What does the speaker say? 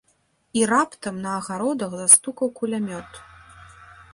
І раптам на агародах застукаў кулямёт.